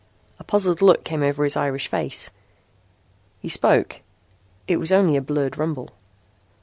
A puzzled look came over his Irish face. He spoke. It was only a blurred rumble.